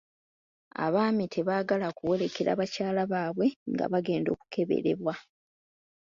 Abaami tebaagala kuwerekera bakyala baabwe nga bagenda okukeberebwa.